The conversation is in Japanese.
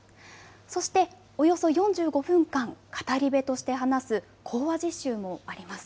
そして、およそ４５分間、語り部として話す講話実習もあります。